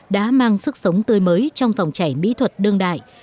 đã mang sức sống tươi mới trong dòng chảy mỹ thuật đương đại